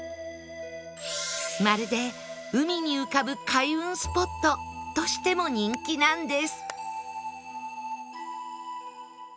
まるで海に浮かぶ開運スポットとしても人気なんです